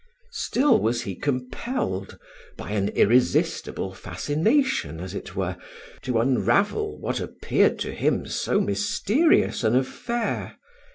Still was he compelled, by an irresistible fascination, as it were, to unravel what appeared to him so mysterious an affair.